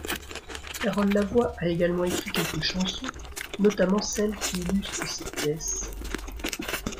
Carole Lavoie a également écrit quelques chansons, notamment celles qui illustrent ses pièces.